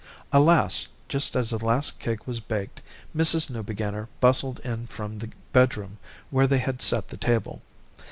Alas, just as the last cake was baked, Mrs. Newbeginner bustled in from the bedroom where they had set the table.